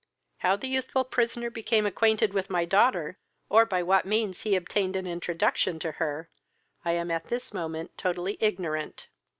How the youthful prisoner became acquainted with my daughter, or by what means he obtained an introduction to her, I am to this moment totally ignorant."